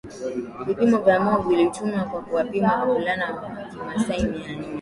Vipimo vya moyo vilitumiwa kwa kuwapima wavulana Wa kimasai mia nne